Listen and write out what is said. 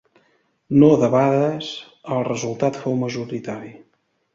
No debades, el resultat fou majoritari.